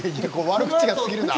悪口がすぎるな。